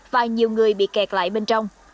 và nhiều người bị kẹt lại bên trong